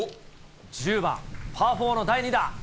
１０番パー４の第２打。